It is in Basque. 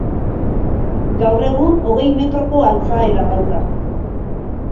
Gaur egun hogei metroko altxaera dauka.